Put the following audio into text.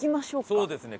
そうですね。